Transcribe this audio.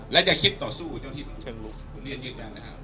และจะคิดต่อสู้กับเจ้าที่เชิงลุกคุณเรียนยืนยันนะครับ